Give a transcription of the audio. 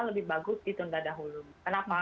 lebih bagus ditunda dahulu kenapa